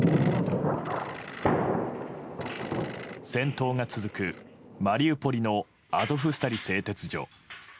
戦闘が続くマリウポリのアゾフスタリ製鉄所。